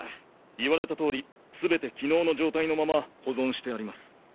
言われた通り全て昨日の状態のまま保存してあります。